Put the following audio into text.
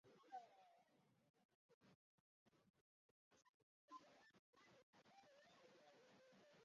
伊望主教是远东地区唯一继续效忠国外圣主教公会的主教。